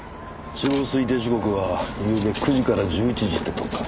死亡推定時刻はゆうべ９時から１１時ってとこか。